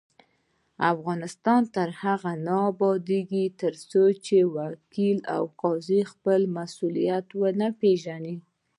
افغانستان تر هغو نه ابادیږي، ترڅو وکیل او قاضي خپل مسؤلیت ونه پیژني.